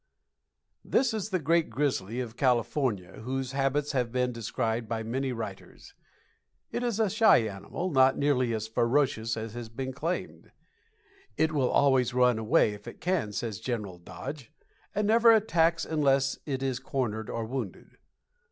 _ This is the great grizzly of California, whose habits have been described by many writers. It is a shy animal, not nearly as ferocious as has been claimed. "It will always run away if it can," says General Dodge, "and never attacks unless it is cornered or wounded."